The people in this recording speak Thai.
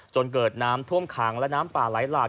จนเกิดน้ำท่วมขังและน้ำป่าไหลหลาก